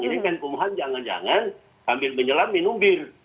ini kan umumnya jangan jangan sambil menyelam minum bir